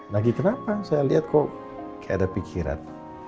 lagi kenapa saya lihat kok ada pikiran